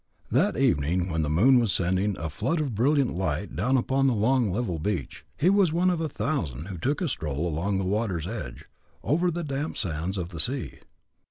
That evening when the moon was sending a flood of brilliant light down upon the long level beach, he was one of a thousand who took a stroll along the water's edge, over the damp sands of the sea.